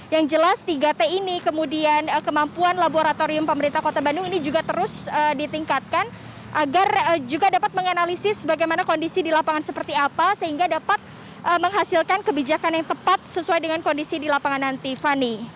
yang jelas tiga t ini kemudian kemampuan laboratorium pemerintah kota bandung ini juga terus ditingkatkan agar juga dapat menganalisis bagaimana kondisi di lapangan seperti apa sehingga dapat menghasilkan kebijakan yang tepat sesuai dengan kondisi di lapangan nanti fani